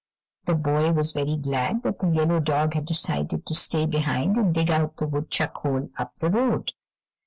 The boy was very glad that the yellow dog had decided to stay behind and dig out the woodchuck hole up the road.